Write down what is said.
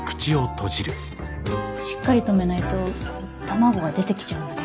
しっかり留めないと卵が出てきちゃうので。